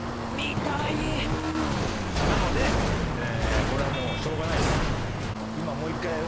なのでこれはもうしょうがないです。